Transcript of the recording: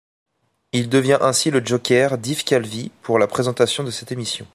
Il devient ainsi le joker d'Yves Calvi pour la présentation de cette émission.